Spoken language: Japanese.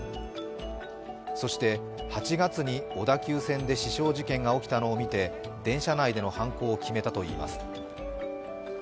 そして、８月に小田急線で刺傷事件が起きたのを見て電車内での犯行を決めたといいます。